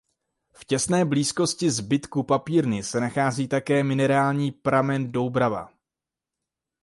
V těsné blízkosti zbytků papírny se nachází také minerální pramen Doubrava.